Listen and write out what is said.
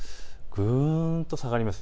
ぐんと下がります。